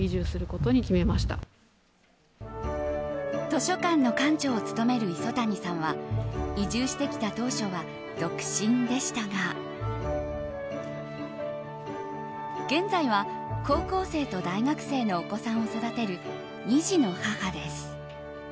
図書館の館長を務める磯谷さんは移住してきた当初は独身でしたが現在は高校生と大学生のお子さんを育てる２児の母です。